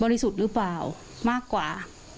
สุทธิ์หรือเปล่ามากกว่า